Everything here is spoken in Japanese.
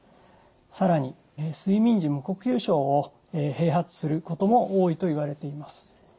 更に睡眠時無呼吸症を併発することも多いといわれています。